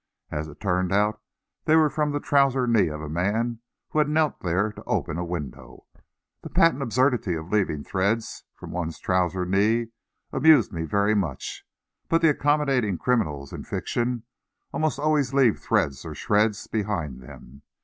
As it turned out, they were from the trouser knee of a man who had knelt there to open a window. The patent absurdity of leaving threads from one's trouser knee, amused me very much, but the accommodating criminals in fiction almost always leave threads or shreds behind them.